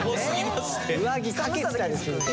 上着かけてたりするとね。